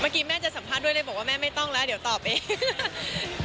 เมื่อกี้แม่จะสัมภาษณ์ด้วยเลยบอกว่าแม่ไม่ต้องแล้วเดี๋ยวตอบเอง